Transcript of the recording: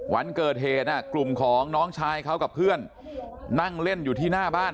วันเกิดเหตุกลุ่มของน้องชายเขากับเพื่อนนั่งเล่นอยู่ที่หน้าบ้าน